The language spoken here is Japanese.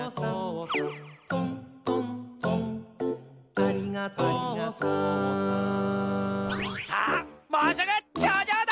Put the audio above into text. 「とんとんとんありがとうさん」さあもうすぐちょうじょうだ！